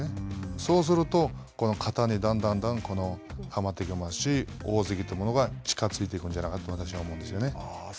そうすると、肩にだんだんはまってきますし、大関というものが近づいていくんじゃないかなと私は思うんですよね。